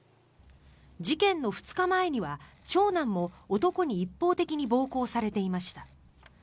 事件の２日前には長男も男に一方的に暴行されていました。